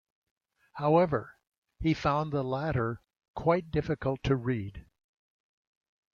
However, he found the latter "quite difficult to read".